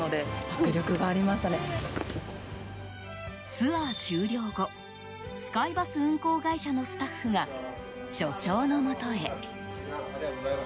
ツアー終了後スカイバス運行会社のスタッフが、所長のもとへ。